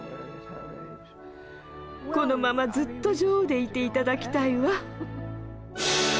このままずっと女王でいて頂きたいわ。